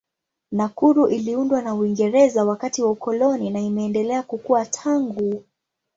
Nakuru iliundwa na Uingereza wakati wa ukoloni na imeendelea kukua tangu.